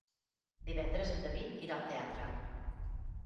Divendres en David irà al teatre.